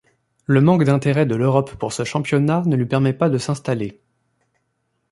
Le manque d’intérêt de l’Europe pour ce championnat ne lui permet pas de s’installer.